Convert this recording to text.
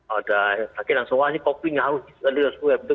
ada yang sakit langsung wah ini covid sembilan belas harus diselidiki